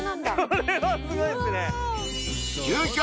これはすごいっすね。